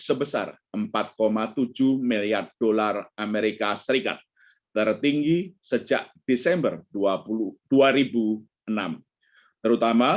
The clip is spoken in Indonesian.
sebesar empat tujuh miliar dolar amerika serikat tertinggi sejak desember dua ribu enam terutama